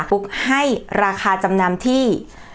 ฟุ๊กให้ราคาจำนำที่